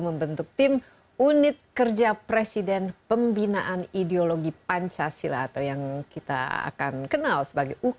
membentuk tim unit kerja presiden pembinaan ideologi pancasila atau yang kita akan kenal sebagai ukm